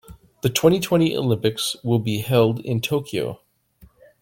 The twenty-twenty Olympics will be held in Tokyo.